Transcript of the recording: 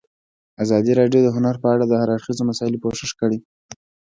ازادي راډیو د هنر په اړه د هر اړخیزو مسایلو پوښښ کړی.